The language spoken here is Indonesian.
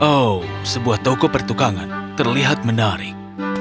oh sebuah toko pertukangan terlihat menarik